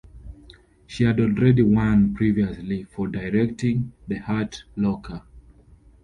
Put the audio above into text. She had already won previously for directing "The Hurt Locker".